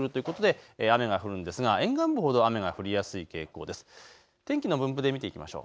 やって来るということで雨が降るんですが沿岸部ほど雨が降りやすい傾向です。